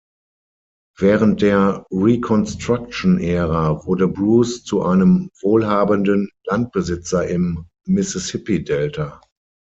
Während der Reconstruction-Ära wurde Bruce zu einem wohlhabenden Landbesitzer im Mississippi-Delta.